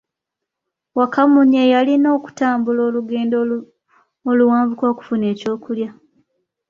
Wakamunye yalina okutambula olugendo luwanvuko okufuna eky'okulya.